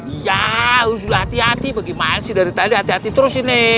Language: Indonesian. iya harus hati hati bagi masih dari tadi hati hati terus ini